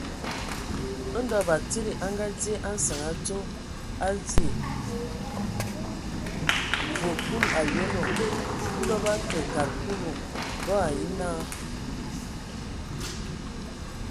Ndɔ batsidi a ngadzye a nsǝŋ adzo a vyɛɛ̂! Vǝ kul o yonoŋ. Ndɔ bə akǝ kad Kulu, bo ai nye naa.